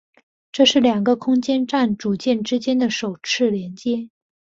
这是两个空间站组件之间的首次连接。